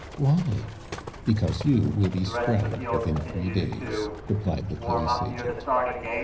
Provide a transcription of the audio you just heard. "Why?" "Because you will be scragged within three days," replied the police agent.